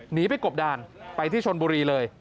หนีไปกบด่านไปที่ชนบุรีเลย